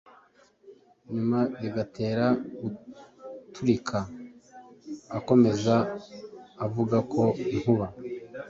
nyuma bigatera guturika. Akomeza avuga ko inkuba